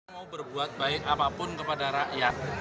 mau berbuat baik apapun kepada rakyat